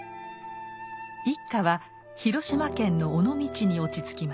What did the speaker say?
一家は広島県の尾道に落ち着きます。